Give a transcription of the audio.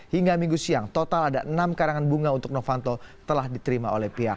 hingga minggu siang total ada enam karangan bunga untuk novanto telah diterima oleh pihak